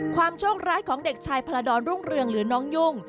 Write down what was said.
โชคร้ายของเด็กชายพลดรรุ่งเรืองหรือน้องยุ่ง